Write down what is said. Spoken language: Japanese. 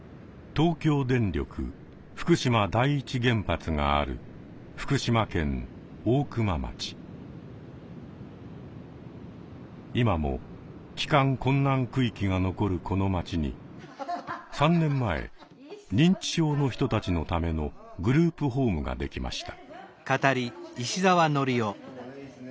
東京電力福島第一原発がある今も帰還困難区域が残るこの町に３年前認知症の人たちのためのグループホームができました。